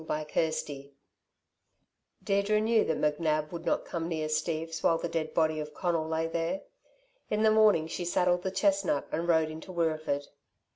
CHAPTER XLV Deirdre knew that McNab would not come near Steve's while the dead body of Conal lay there. In the morning, she saddled the chestnut and rode into Wirreeford.